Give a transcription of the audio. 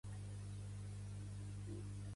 Pertany al moviment independentista la Sufragi?